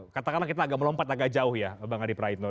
katakanlah kita agak melompat agak jauh ya bang adi praitno